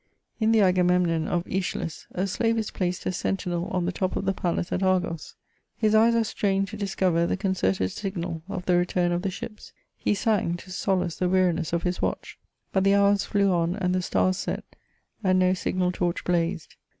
In the Agamemnon of iEschylus, a slave is placed as sentinel om the top of the ptalace at Ai^s ; his eyes are strained to discover the concerted signal of the return of the ships : he sang, to solace the weariness of his watch ; hut the hours flew on, and the stars set, and no signal torch blazed.